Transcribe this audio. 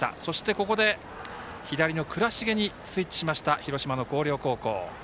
ここで左の倉重にスイッチしました広島の広陵高校。